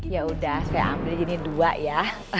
ya udah saya ambil jadi dua ya